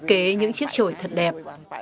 thế kế những chiếc trội thật đẹp